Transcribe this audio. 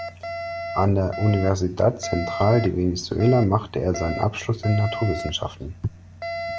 An der Universidad Central de Venezuela machte er einen Abschluss in Naturwissenschaften.